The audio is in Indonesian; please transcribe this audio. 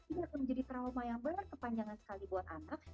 ini akan menjadi trauma yang berkepanjangan sekali buat anak